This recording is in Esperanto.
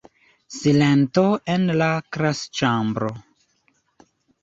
Silento en la klasĉambro.